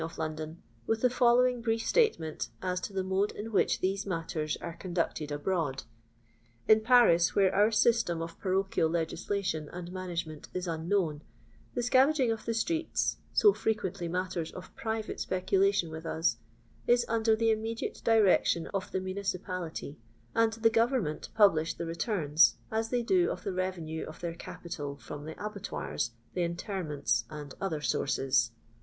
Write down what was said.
of London, with the following brief itatement as to the mode in which theie matters are condacted abroad. In Paris, where our system of parochial legis lation and management is unknown, the scarag ing of the streets — so frequently matters of private specuhition with us — is under the immediate direction of the municipality, and the Govern ment publish the returns, as they do of the revenue of their capital from the abattoirs^ the interments, and other sources.